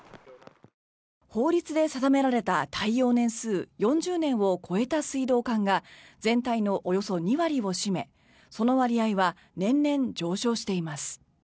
法律で定められた耐用年数４０年を超えた水道管が全体のおよそ２割を占めその割合は年々上昇しています。